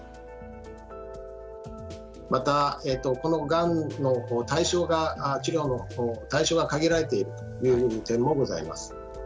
またこのがんの対象が治療の対象が限られているという点もございます。